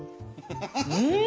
うん！